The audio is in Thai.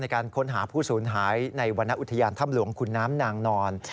ในการค้นหาผู้ศูนย์หายในวรรณอุทยานธรรมหลวงคุณน้ำนางนอน